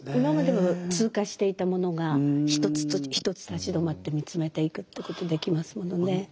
今まで通過していたものが一つ一つ立ち止まって見つめていくってことできますものね。